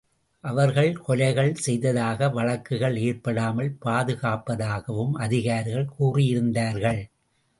அவர்கள் கொலைகள் செய்ததாக வழக்குகள் ஏற்படாமல் பாதுகாப்பதாகவும் அதிகாரிகள் கூறியிருந்தார்கள்.